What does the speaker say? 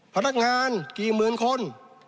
พนักงานกี่หมื่นคน